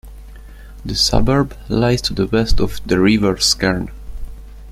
The suburb lies to the west of the River Skerne.